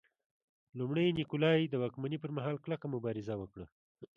لومړي نیکولای د واکمنۍ پرمهال کلکه مبارزه وکړه.